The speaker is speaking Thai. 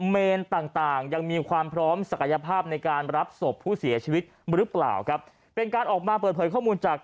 เมนต่างต่างยังมีความพร้อมศักยภาพในการรับศพผู้เสียชีวิตหรือเปล่าครับเป็นการออกมาเปิดเผยข้อมูลจาก